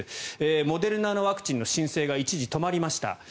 モデルナのワクチンの申請が一時止まりました。